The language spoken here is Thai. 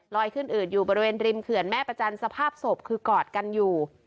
ขึ้นอืดอยู่บริเวณริมเขื่อนแม่ประจันทร์สภาพศพคือกอดกันอยู่